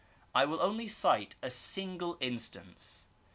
I will only cite a single instaiice..